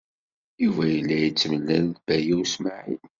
Yuba yella yettemlal d Baya U Smaɛil.